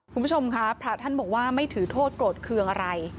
คุณผู้ชมค่ะพระท่านบอกว่าไม่ถือโทษโกรธเคืองอะไร